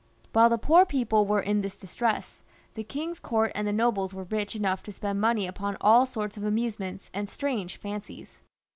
While the poor people were in this distress, the king's court and the nobles were rich enough to spend money upon all sorts of amusements and strange fancies.